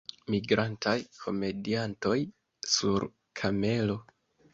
Migrantaj komediantoj sur kamelo.